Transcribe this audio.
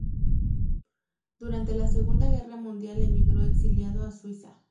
Durante la Segunda Guerra Mundial emigró exiliado a Suiza.